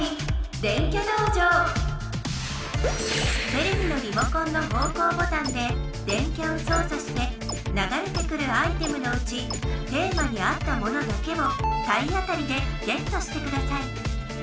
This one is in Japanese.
テレビのリモコンの方向ボタンで電キャを操作して流れてくるアイテムのうちテーマに合ったものだけを体当たりでゲットしてください。